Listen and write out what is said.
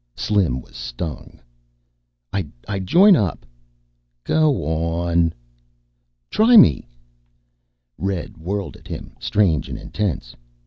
Slim was stung. "I'd join up." "Go on." "Try me." Red whirled at him, strange and intense.